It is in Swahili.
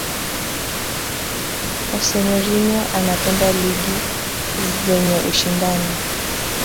jose mourinho anapenda ligi zenye ushindani